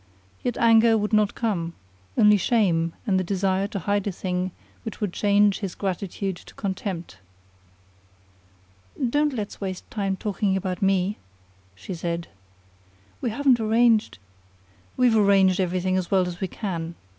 Yet anger would not come, only shame and the desire to hide a thing which would change his gratitude to contempt. "Don't let's waste time talking about me," she said. "We haven't arranged " "We've arranged everything as well as we can.